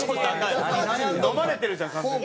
のまれてるじゃん完全に。